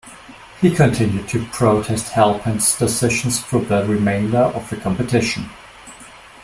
He continued to protest Halpin's decisions through the remainder of the competition.